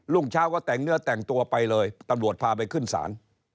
่งเช้าก็แต่งเนื้อแต่งตัวไปเลยตำรวจพาไปขึ้นศาล